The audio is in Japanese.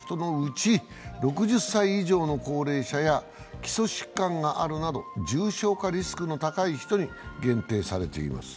対象は、３回目の接種から５カ月以上たった人のうち、６０歳以上の高齢者や基礎疾患があるなど重症化リスクの高い人に限定されています。